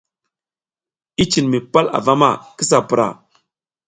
I cin mi pal avama, kisa pura.